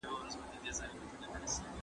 پيغلې حيا لري.